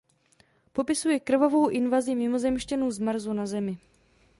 Popisuje krvavou invazi mimozemšťanů z Marsu na Zemi.